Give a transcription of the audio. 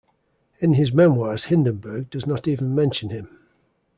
In his memoirs Hindenburg does not even mention him.